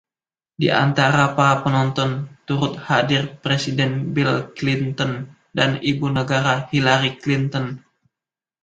Di antara para penonton, turut hadir Presiden Bill Clinton dan Ibu Negara Hillary Clinton.